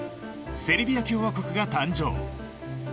セルビア共和国が誕生。